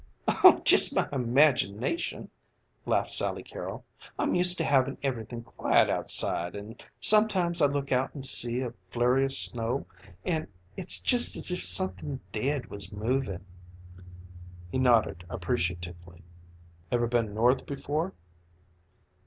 "Just my imagination," laughed Sally Carroll "I'm used to havin' everythin' quiet outside an' sometimes I look out an' see a flurry of snow an' it's just as if somethin' dead was movin'." He nodded appreciatively. "Ever been North before?"